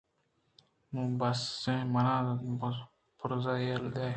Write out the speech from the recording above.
تو بس منا بُرز ءَیلہ دئے